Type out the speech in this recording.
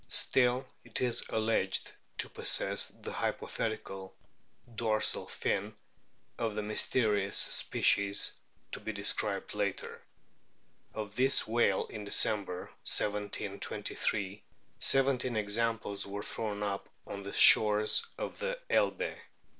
Still it is alleged to possess the hypothetical dorsal fin of the mysterious species to be described later. Of this whale in December, 1723, seventeen examples were thrown up on the shores of the Elbe.